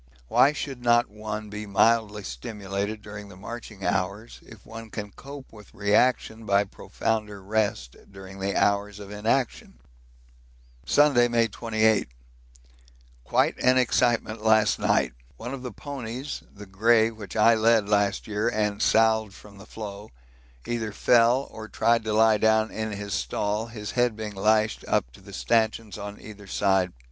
Why should not one be mildly stimulated during the marching hours if one can cope with reaction by profounder rest during the hours of inaction? Sunday, May 28. Quite an excitement last night. One of the ponies (the grey which I led last year and salved from the floe) either fell or tried to lie down in his stall, his head being lashed up to the stanchions on either side.